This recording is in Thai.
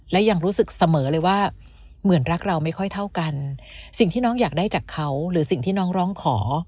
และยังรู้สึกเสมอเลยว่าเหมือนรักเราไม่ค่อยเท่ากันสิ่งที่น้องอยากได้จากเขาหรือสิ่งที่น้องร้องขอ